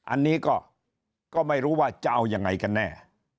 อันนี้ก็ไม่รู้ว่าจะเอายังไงกันแน่